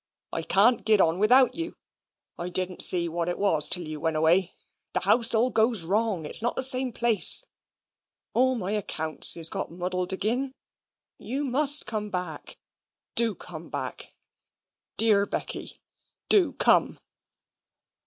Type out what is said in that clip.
"I can't git on without you. I didn't see what it was till you went away. The house all goes wrong. It's not the same place. All my accounts has got muddled agin. You MUST come back. Do come back. Dear Becky, do come."